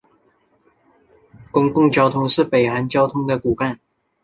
公共交通是北韩交通的骨干。